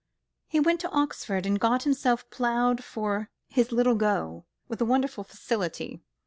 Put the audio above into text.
He went to Oxford, and got himself ploughed for his Little Go, with a wonderful facility.